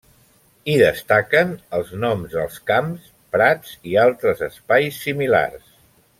Hi destaquen els noms dels camps, prats i altres espais similars.